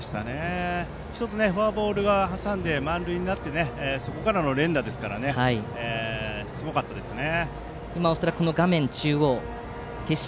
１つフォアボールは挟んで満塁になってそこからの連打ですからすごかったですね。